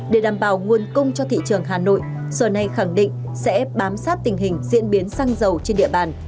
để đảm bảo nguồn cung cho thị trường hà nội sở này khẳng định sẽ bám sát tình hình diễn biến xăng dầu trên địa bàn